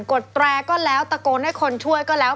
ดแตรก็แล้วตะโกนให้คนช่วยก็แล้ว